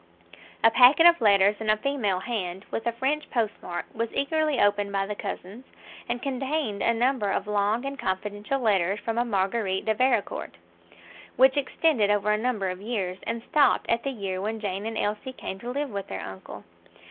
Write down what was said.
A packet of letters in a female hand, with a French post mark, was eagerly opened by the cousins, and contained a number of long and confidential letters from a Marguerite de Vericourt, which extended over a number of years, and stopped at the year when Jane and Elsie came to live with their uncle.